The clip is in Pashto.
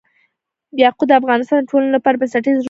یاقوت د افغانستان د ټولنې لپاره بنسټيز رول لري.